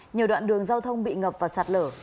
nhiều đoạn đường giao thông bị ngập và sạt lở